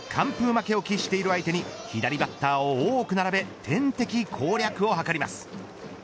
負けを喫している相手に左バッターを多く並べ天敵攻略を図ります。